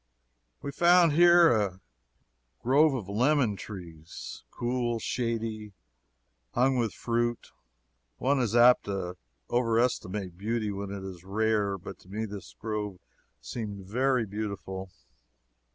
We found here a grove of lemon trees cool, shady, hung with fruit. One is apt to overestimate beauty when it is rare, but to me this grove seemed very beautiful.